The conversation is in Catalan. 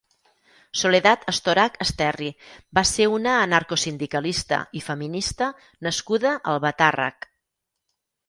Soledad Estorach Esterri va ser una anarcosindicalista i feminista nascuda a Albatàrrec.